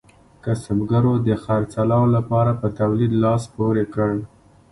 کسبګرو د خرڅلاو لپاره په تولید لاس پورې کړ.